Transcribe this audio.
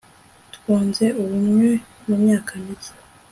Twunze ubumwe mu myaka mike